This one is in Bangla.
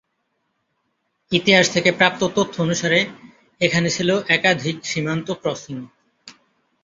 ইতিহাস থেকে প্রাপ্ত তথ্য অনুসারে, এখানে ছিল একাধিক সীমান্ত ক্রসিং।